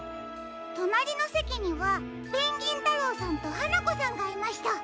となりのせきにはペンギンたろうさんとはなこさんがいました。